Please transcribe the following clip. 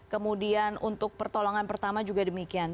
kemudian untuk pertolongan pertama juga demikian